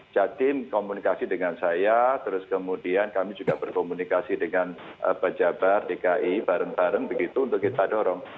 jadi komunikasi dengan saya terus kemudian kami juga berkomunikasi dengan pak jabar dki bareng bareng begitu untuk kita dorong